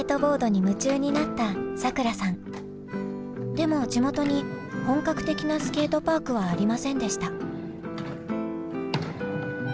でも地元に本格的なスケートパークはありませんでした。